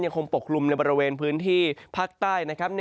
คงปกลุ่มในบริเวณพื้นที่ภาคใต้นะครับ